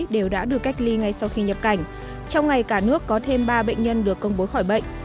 đều đã được cách ly ngay sau khi nhập cảnh trong ngày cả nước có thêm ba bệnh nhân được công bố khỏi bệnh